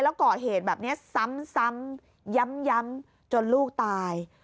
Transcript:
แล้วก็เหตุแบบเนี้ยซ้ำซ้ำยำยำจนลูกตาย